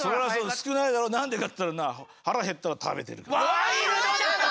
少ないだろ何でかっていったらな腹減ったら食べてるんだぜ。